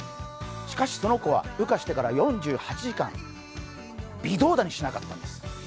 しかし、その子は羽化してから４８時間微動だにしなかったんです。